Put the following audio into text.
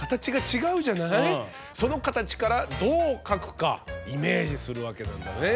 その形からどう描くかイメージするわけなんだね。